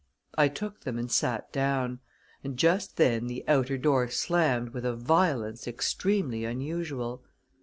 I took them and sat down; and just then the outer door slammed with a violence extremely unusual.